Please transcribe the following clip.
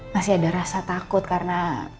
masih ada rasa takut karena